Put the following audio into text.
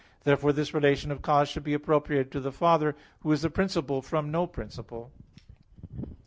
Therefore this relation of cause should be appropriated to the Father, Who is "the principle from no principle."